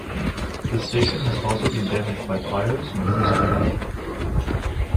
The station has also been damaged by fires numerous times.